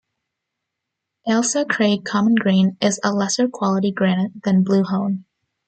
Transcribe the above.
"Ailsa Craig Common Green" is a lesser quality granite than "Blue Hone".